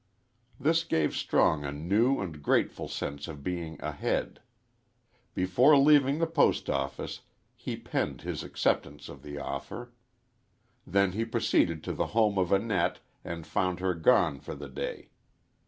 "_ This gave Strong a new and grateful sense of being "ahead." Before leaving the post office he penned his acceptance of the offer. Then he proceeded to the home of Annette and found her gone for the day.